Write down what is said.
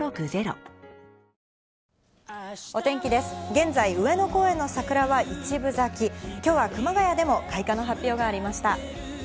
現在、上野公園の桜は一分咲き、今日は熊谷でも開花の発表がありました。